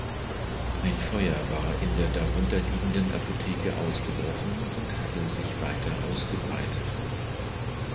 Ein Feuer war in der darunterliegenden Apotheke ausgebrochen und hatte sich weiter ausgebreitet.